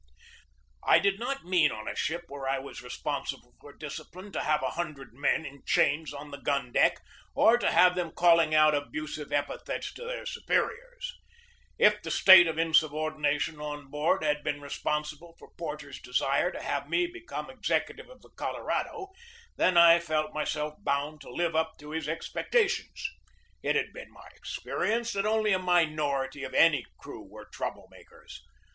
I did not mean on a ship where I was responsible for discipline to have a hundred men in chains on the gun deck or to have them calling out abusive epi thets to their superiors. If the state of insubordina tion on board had been responsible for Porter's desire to have me become executive of the Colorado, then I felt myself bound to live up to his expectations. It had been my experience that only a minority of any crew were trouble makers.